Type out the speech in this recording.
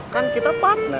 kan kita partner